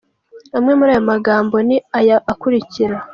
Amwe muri ayo magambo ni aya akurikira:.